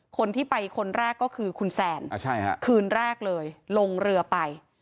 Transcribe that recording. คนที่ไปคนแรกก็คือคุณแซนคืนแรกเลยลงเรือไป